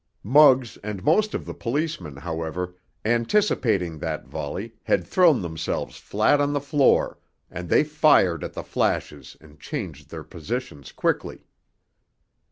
Muggs and most of the policemen, however, anticipating that volley, had thrown themselves flat on the floor, and they fired at the flashes and changed their positions quickly.